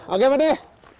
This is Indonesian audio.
oke pak teh